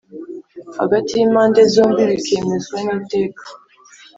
hagati y impande zombi bikemezwa n Iteka